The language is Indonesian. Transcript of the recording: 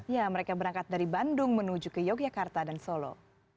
ya mereka berangkat dari bandung menuju ke yogyakarta dan solo